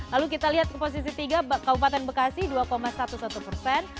lalu kita lihat ke posisi tiga kabupaten bekasi dua sebelas persen